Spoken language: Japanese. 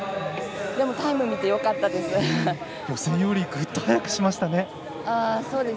でもタイム見てよかったです。